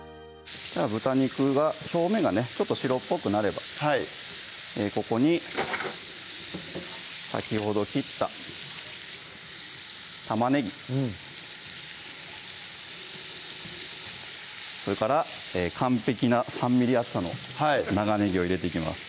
豚肉が表面がねちょっと白っぽくなればここに先ほど切った玉ねぎそれから完璧な３ｍｍ厚さの長ねぎを入れていきます